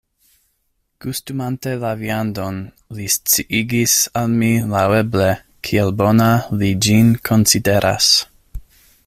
Gustumante la viandon, li sciigis al mi laŭeble, kiel bona li ĝin konsideras.